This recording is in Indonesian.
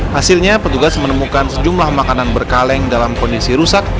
hasilnya petugas menemukan sejumlah makanan berkaleng dalam kondisi rusak